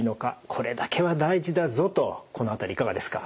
これだけは大事だぞとこの辺りいかがですか。